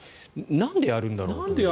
なんでやるんだろうって。